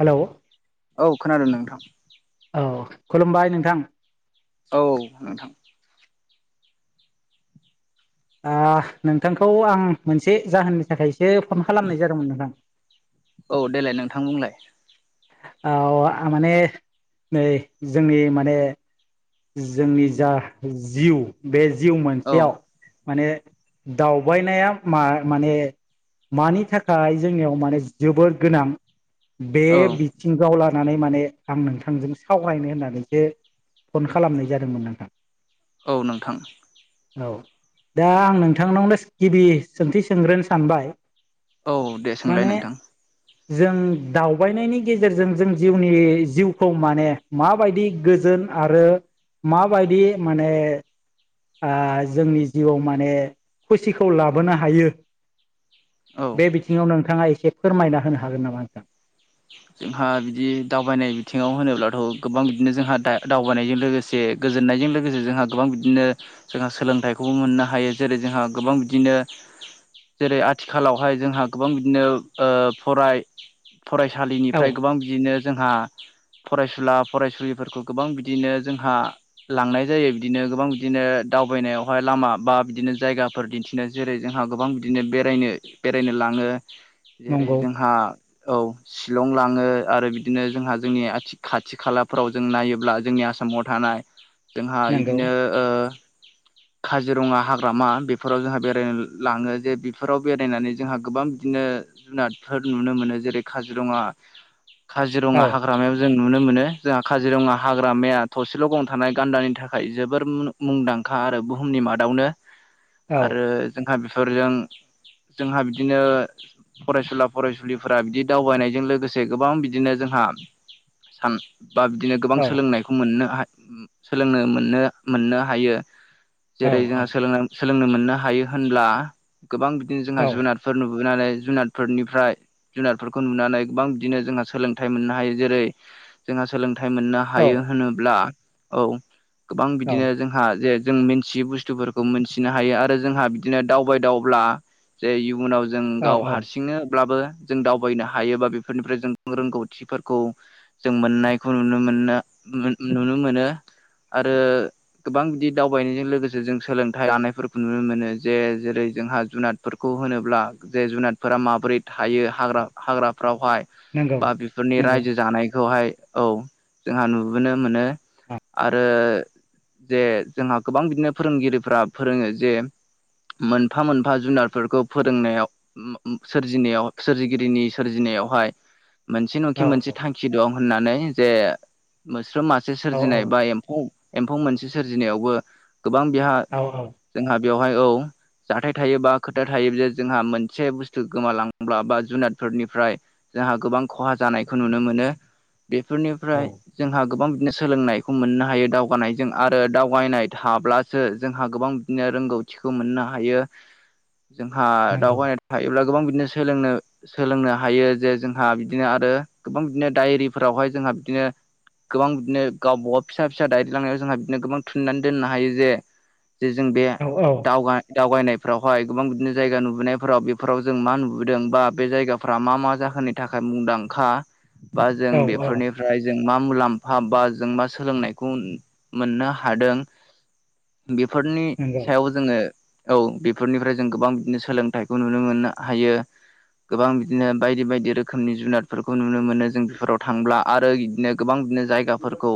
Hello औ खोनादों नोंथां औ खुलुमबाय नोंथां औ नोंथां आ नोंथांखौ आं मोनसे जाहोननि थाखायसो फन खालामनाय जादोंमोन नोंथां औ देलाय नोंथां बुंलाय औ माने नै जोंनि माने जोंनि जा जिउ बे जिउ औ मोनसेयाव माने दावबायनाया मा माने मानि थाखाय जोंनियाव माने जोबोद गोनां बे औ बिथिंङाव लानानै माने आं नोंथांजों सावरायनो होननानैसो फन खालामनाय जादोंमोन नोंथां औ नोंथां औ दा आं नोंथांनावनो गिबि सोंथि सोंग्रोनो सानबाय औ दे सोंलाय माने नोंथां जों दावबायनायनि गेजेरजों जों जिउनि जिउखौ माने माबायदि गोजोन आरो माबायदि माने जोंनि जिउआव माने खुसिखौ लाबोनो हायो औ बे बिथिङाव नोंथाङा एसे फोरमायना होनो हागोन नामा नोंथां जोंहा बिदि दावबायनाय बिथिङाव होनोब्लाथ' गोबां बिदिनो जोंहा दा दावबायनायजों लोगोसे गोजोननाय बेजों लोगोसे जोंहा गोबां बिदिनो जोंहा सोलोंथाइखौबो मोननो हायो जेरै जोंहा गोबां बिदिनो जेरै आथिखालावहाय जोंहा गोबां बिदिनो ओ फराय औ फरायसालिनिफ्राय गोबां बिदिनो जोंहा फरायसुला फरायसुलिफोरखौ गोबां बिदिनो जोंहा लांनाय जायो बिदिनो गोबां बिदिनो दावबायनायावहाय लामा बा बिदिनो जायगाफोर दिन्थिनो जेरै जोंहा गोबां बिदिनो बेरायनो बेरायनो लाङ थाङो जेरै नंगौ जोंहा औ शिलं लाङो आरो बिदिनो जोंहा जोंनि आथि खाथि खालाफोराव जों नायोब्ला जोंनि आसाम आसामाव थानाय जोंहा नंगौ इदिनो ओ [inaudible] काजिरङा हाग्रामा बेफोराव जोंहा बेरायनो लाङो जे बेफोराव बेरायनानै जोंहा गोबां बिदिनो जुनातफोर नुनो मोनो जेरै काजिरङा काजिरङा औ हाग्रामायाव जों नुनो मोनो जोंहा काजिरङा हाग्रामाया थसेल'‌ गं थानाय गान्दानि थाखाय जोबोर मु मुंदांखा आरो बुहुमनि मादावनो औ आरो जोंहा बि फोरजों जोंहा बिदिनो फरायसुला फरायसुलिफोरा बिदि दावबायनायजों लोगोसे गोबां बिदिनो जोंहा सान बा बिदिनो गोबां औ सोलोंनायखौ मोननो हायो सोलोंनो मोननो मोननो हायो जेरै जोंहा औ सोलोंनो सोलोंनो मोननो हायो होनब्ला गोबां बिदिनो जोंहा औ जुनारफोर नुबो बुनानै जुनारफोरनिफ्राय जुनात बेफोरखौ नुनानै गोबां बिदिनो जोंहा सोलोंथाइ मोननो हायो जेरै जोंहा सोलों थाइ मोननो औ हायो होनोब्ला औ गोबां बिदिनो जोंहा जे जों मिन्थियै बुस्थुफोरखौ मोनथिनो हायो आरो जोंहा बिदिनो दावबाय दावब्ला जे इयुनाव जों औ गाव औ हारसिंनोब्लाबो जों दाव बैनो हायोबा बेफोरनिफ्राय जों रोंगौथिफोरखौ जों मोननायखौ नुनो मोननो मोन नुनो मोनो आरो गोबां बिदि दावबायनायजों लोगोसे जों सोलोंथाइ लानायफोरखौ नुनो मोनो जे जेरै जोंहा जुनादफोरखौ [unintelligible] होनोब्ला जे जुनारफोरा माबोरै थायो हाग्रा हाग्राफ्रावहाय नंगौ बा बेफोरनि नंगौ रायजो जानायखौहाय औ जोंहा नुबोनो मोनो औ आरो जे जोंहा गोबां बिदिनो फोरोंगिरिफ्रा फोरोङो जे मोनफा मोनफा जुनारफोरखौ फोरोंनायाव उम उम सोरजिनायाव सोरजिगिरिनि सोरजिनायावहाय मोनसे नङाखि औ मोनसे थांखि दं होननानै जे मोस्रोम मासे सो औ सोरजिनाय बा एम्फौ एम्फौ मोनसे सोरजिनायावबो गोबां बेहा औ औ जोंहा बेवहाय औ जाथाय थायो बा खोथा थायो जे जोंहा मोनसे बुस्थु गोमालांब्ला बा जुनाद फोरनिफ्राय जोंहा गोबां खहा जानायखौ नुनो मोनो। औ बेफोरनिफ्राय जोंहा गोबां नो सोलोंनायखौ मोननो हायो दावगानायजों आरो दावगायनाय थाब्लासो जोंहा गोबां बिदिनो रोंगौ थिखौ मोननो हायो जोंहा नंगौ दावबायनाय थायोब्ला गोबां बिदिनो सोलोंनो सोलोंनो हायो जे जोंहा बिदिनो आरो गोबां बिदिनो डायरिफोरावहाय जोंहा बिदिनो गोबां बिदिनो गावबागाव फिसा फिसा दायरि लांनायाव जोंहा बिदिनो गोबां थुननानै दोननो हायो जे जे जों बे औ औ दावगा दावगायनाय फोरावहाय गोबां बिदिनो जायगा नुबोनायफोराव बेफोराव जों मा नुबोदों बा बे जायगाफ्रा मा मा जाहोननि थाखाय मुंदांखा बा जों औ बेफोरनिफ्राय जों मा मुलाम्फा बा जों मा सोलोंनायखौ मोननो हादों बेफोरनि नंगौ सायाव जोङो औ बेफोरनिफ्राय जों गोबां बिदिनो सोलोंथाइखौ नुनो मोननो हायो। गोबां बिदिनो बायदि बायदि रोखोमनि जुनादफोरखौ नुनो मोनो जों बेफोराव थांब्ला आरो इदिनो गोबां बिदिनो जायगाफोरखौ।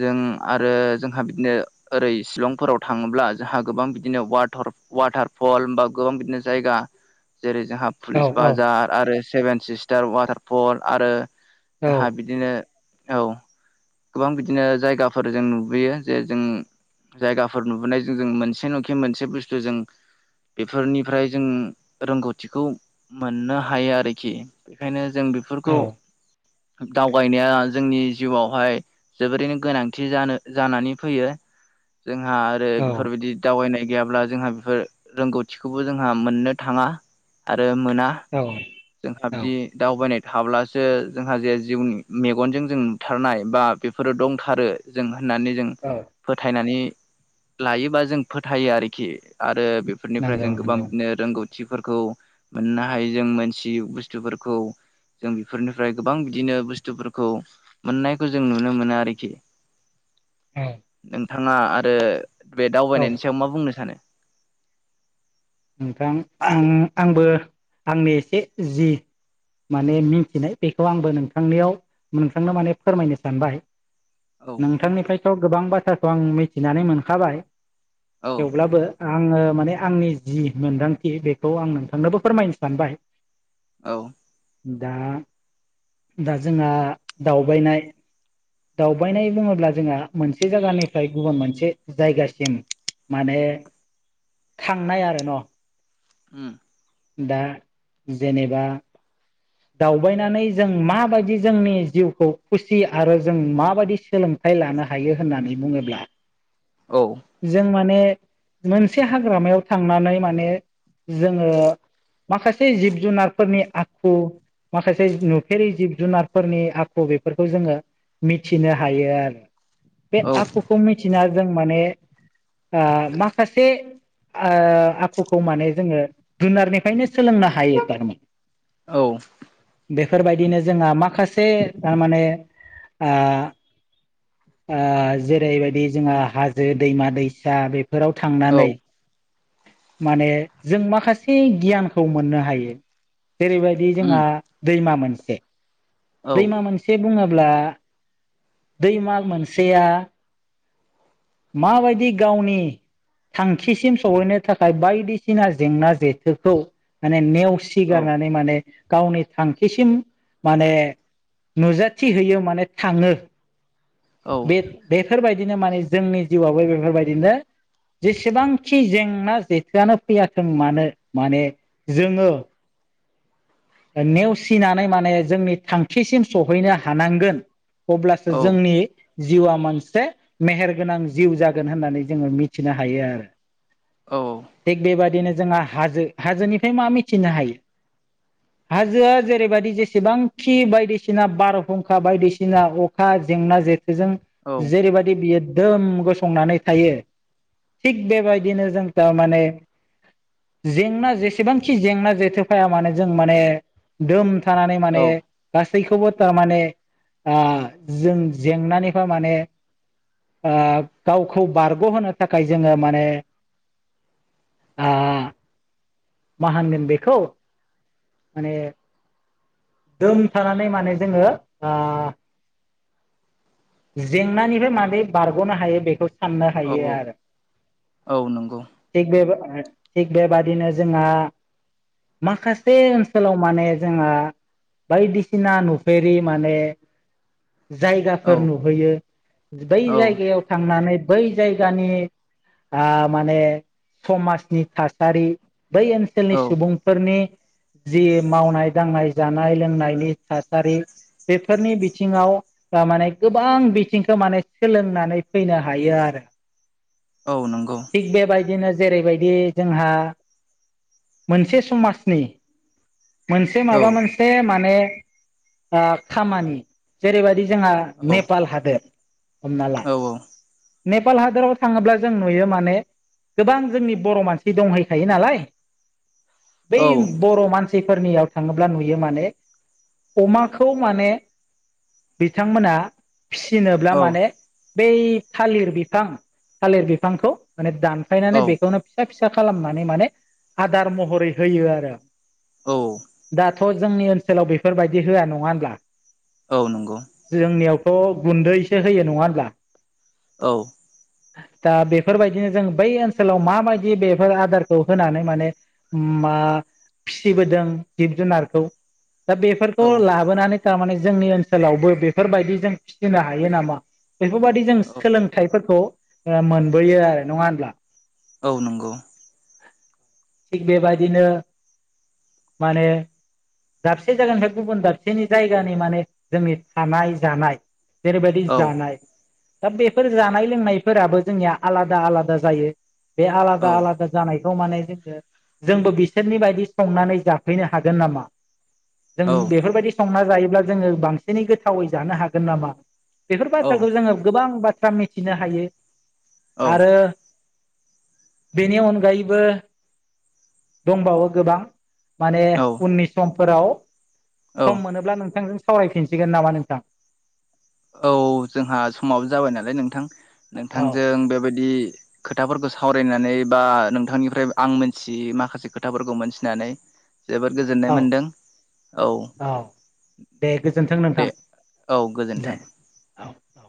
जों आरो जोंहा बिदिनो ओरै शिलंफोराव थाङोब्ला जोंहा गोबां बिदिनो वाटर वाटारफल ओमबा गोबां बिदिनो जायगा जेरै जोंहा औ पुलिस औ बाजार आरो सेभेन सिस्टार वाटारफल आरो औ जोंहा बिदिनो औ गोबां बिदिनो जायगाफोर जों नुबोयो जे जों जायगाफोर नुबोनायजों जों मोनसे न'खि मोनसे बुस्थु जों बेफोरनिफ्राय जों रोंगौथिखौ मोननो हायो आरोखि बेखायनो जों औ बेफोरखौ दावगायनाया जोंनि जिउआवहाय जोबोरैनो गोनांथि जानो जानानै फैयो जोंहा आरो औ बेफोरबायदि दावबायनाय गैयाब्ला जोंहा बेफोर रोंगौथिखौबो जोंहा मोननो थाङा आरो मोना औ जों औ बिदि दावबायनाय थाल्बासो जोंहा जे जिउनि मेगनजों जों नुथारनाय बा बेफोरो दंथारो जोंहा होननानै जों औ फोथायनानै लायोबा जों फोथायो आरोखि आरो बेफोरनिफ्राय नंगौ जों गोबां नंगौ बिदिनो रोंगौथि ओंथिफोरखौ मोननो हायो जों मोनथियि बुस्थुफोरखौ जों बेफोरनिफ्राय गोबां बिदिनो बुस्थुफोरखौ मोननायखौ जों नु नुनो मोनो आरोखि औ नोंथाङा आरो बे औ दावबायनायनि सायाव मा बुंनो सानो नोंथां आं आंबो आंनि एसे जि माने मिथिनाय बेखौ आंबो नोंथांनियाव नोंथांनो माने फोरमायनो सानबाय औ नोंथांनिफ्रायथ' गोबां बाथ्राखौ आं मिथिनानै मोनखाबाय औ थेवब्लाबो आङो माने आंनि जि मोनदांथि बेखौ आं नोंथांनोबो फोरमायनो सानबाय औ दा दा जोंहा दावबायनाय दावबायनाय बुङोब्ला जोंहा मोनसे जायगानिफ्राय गुबुन मोनसे जायगासिम माने थांनाय आरो न' उम दा जेनेबा दावबायनानै जों माबायदि जोंनि जिउखौ खुसि आरो जों माबायदि सोलोंथाइ लानो हायो होननानै बुङोब्ला औ जों माने मोनसे हाग्रामायाव थांनानै माने जोङो माखासे जिब जुनारफोरनि आखु माखासे नुफेरि जिब जुनारफोरनि आखु बेफोरखौ जोङो मिथिनो हायो आरो बे औ आखुखौ मिथिना जों माने ओ माखासे ओ आखुखौ माने जोङो जुनारनिफ्रायनो सोलोंनो हायो थारमाने औ बेफोरबायदिनो जोंहा माखासे थारमाने आ आ जेरैबायदि जोंहा हाजो दैमा दैसा बे फोराव औ थांनानै माने जों माखासे गियानखौ मोननो हायो जेरैबायदि उम जोंहा दैमा मोनसे औ दैमा मोनसे बुङोब्ला दैमा मोनसेया माबायदि गावनि थांखिसिम सहैनो थाखाय बायदिसिना जेंना जेथोखौ माने नेव सि औ गारनानै माने गावनि थांखिसिम माने नुजाथिहैयो माने थाङो औ बे बेफोरबायदिनो माने जोंनि जिउआवबो बेफोरबायदिनो जेसेबांखि जेंना जेथोआनो फैयथों मानो माने जोङो ओ नेवसिनानै माने जोंनि थांखिसिम सहैनो हानांगोन अब्लासो औ जोंनि जिउआ मोनसे मेहेरगोनां जिउ जागोन होननानै जोंङो मिथिनो हायो आरो थिग बेबादिनो जोंङा हाजो हाजोनिफाय मा मिथिनो हायो हाजोआ जेरैबादि जेसेबांखि बायदिसिना बारहुंखा बायदिसिना अखा जेंना जे जों जेरैबादि बियो दोम गसंनानै थायो थिग बेबायदिनो जों दा माने जेंना जेसेबांखि जेंना जेथो फाया मानो जों खौ माने दोम थानानै औ माने गासि यैखौबो थामाने ओ जों जेंनानिफाय माने ओ गावखौ बारग' होनो थाखाय जोंङो माने आ मा होनगोन बेखौ माने दोम थानानै माने जोंङो ओ जेंनानिफाय मानै बारग'नो हायो बेखौ। साननो औ हायो आरो औ नंगौ थिग बेबा ओ थिग बेबादिनो जोंङा माखास बे ओनसोलाव माने जोंङो बायदिसिना नुफेरि माने औ जायगाफोर नुहैयो बै औ जायगायाव थांनानै। बै जायगानि ओ माने समासनि थासारि बै औ ओनसोलनि सुबुंफोरनि जि मावनाय दांनाय जानाय लोंनायनि थासारि। बेफोरनि बिथिंङाव दा माने गोबां बिथिंखौ माने सोलोंनानै फैनो हायो आरो औ नंगौ थिग बेबायदि नोज जेरैबायदि जोंहा मोनसे समासनि मोनसे औ माबा मोनसे माने ओ खामानि जेरैबायदि जोङो औ नेपाल हादोर हमना ला औ नेपाल हादोराव थांङोब्ला जों नुयो माने। गोबां जोंनि बर' मानसि दंहैखायो नालाय। बै औ बर' मानसिफोरनियाव थाङोब्ला नुयो माने अमाखौ माने। बिथांमोना फिसिनोब्ला औ माने बै थालिर बिफां थालिर बिफांखौ माने दानफायनानै बेखौनो फिसा फिसा खालामनानै माने आदार महरै होयो आरो। औ। थ जोंनि ओनसोलाव बेफोरबायदि होआ नङा ओनब्ला। औ नोंगौ। थ गुन्दैसो होयो नङा ओनब्ला। औ। दा बेफोरबायदिनो जों बै ओनसोलाव माबायदि बेफोर आदारखौ होनानै माने उम मा फिसिबोदों जिब जुनारखौ दा औ बेफोरखौ लाबोनानै थारमाने जोंनि ओनसोलावबो बेफोरबायदि जों फिसिनो हायो नामा? बेफोबादि जों औ सोलोंथाइफोरखौ ओ मोनबोयो आरो नङा होनब्ला। औ नोंगौ। थिग बेबायदिनो माने दाबसे जायगानिफाय गुबुन दाबसेनि जायगानि माने जोंनि थानाय जानाय जेरैबायदि औ जानाय। दा बेफोर जानाय लोंनायफोराबो जोंनिया आलादा आलादा जायो बे औ आलादा आलादा जानाय खौ माने जोङो जोंबो बिसोरनि बायदि संनानै जाफैनो हागोन नामा? जों बेफोरबायदि संना जायोब्ला जोङो बांसिनै गोथावै जानो हागोन नामा? बेफोर बाथ्राखौ औ जोङो गोबां बाथ्रा मिथिनो हायो आरो बेनि अनगायैबो दंबावो गोबां। माने औ उननि समफोराव औ सम मोनोब्ला नोंथांजों सावरायफिनसिगोन नामा नोंथां? औ जोंहा समावो जाबाय नालाय नोंथां औ नोंथांजों बेबायदि खोथाफोरखौ सावरायनानै बा नोंथांनिफ्राय आं मोनथियै माखासे खोथाफोरखौ मोनथिनानै जोबोद औ गोजोननाय मोनदों औ दे गोजोन्थों दे नोंथां औ दे गोजोन्थों। औ औ